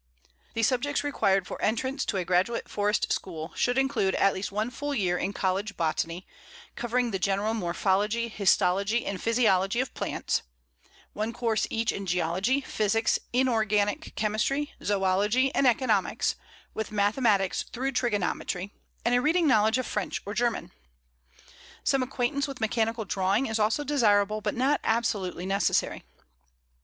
The subjects required for entrance to a graduate forest school should include at least one full year in college botany, covering the general morphology, histology, and physiology of plants, one course each in geology, physics, inorganic chemistry, zoölogy, and economics, with mathematics through trigonometry, and a reading knowledge of French or German. Some acquaintance with mechanical drawing is also desirable but not absolutely necessary.